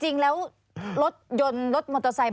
จริงแล้วรถยนต์รถมอเตอร์ไซค